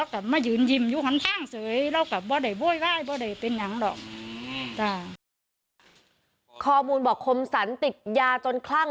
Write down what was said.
ข้อมูลบอกคมสรรติดยาจนคลั่ง